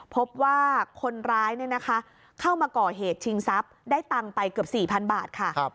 พบว่าคนร้ายเข้ามาก่อเหตุชิงทรัพย์ได้ตังค์ไปเกือบ๔๐๐๐บาทค่ะ